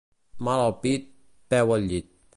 Mal al pit, peu al llit.